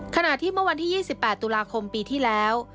ขณะที่เมื่อวันที่๒๘ตุลาคมปีที่แล้ว